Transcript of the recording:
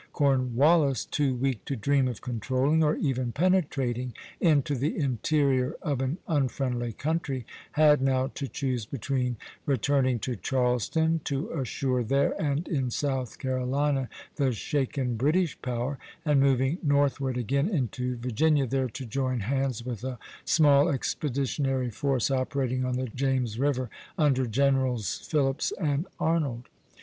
Cornwallis, too weak to dream of controlling, or even penetrating, into the interior of an unfriendly country, had now to choose between returning to Charleston, to assure there and in South Carolina the shaken British power, and moving northward again into Virginia, there to join hands with a small expeditionary force operating on the James River under Generals Phillips and Arnold.